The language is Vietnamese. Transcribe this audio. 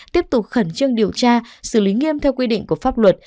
tiếp tục khẩn trương điều tra xử lý nghiêm theo quy định của pháp luật